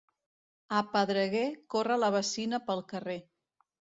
A Pedreguer, corre la bacina pel carrer.